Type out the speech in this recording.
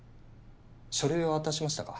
書類は渡しましたか？